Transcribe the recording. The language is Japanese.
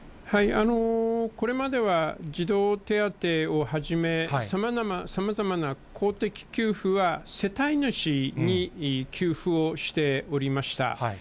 これまでは児童手当をはじめ、さまざまな公的給付は、世帯主に給付をしておりました。